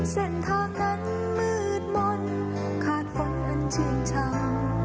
เส้นทางนั้นมืดมนขาดฝนนั้นชิงชาม